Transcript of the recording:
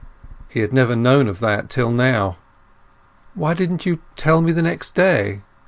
He had never known of that till now. "Why didn't you tell me next day?"